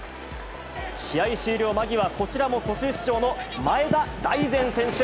試合終了間際、こちらも途中出場の前田大然選手。